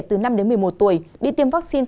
từ năm đến một mươi một tuổi đi tiêm vaccine